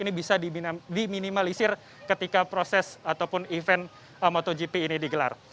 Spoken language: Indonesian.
ini bisa diminimalisir ketika proses ataupun event motogp ini digelar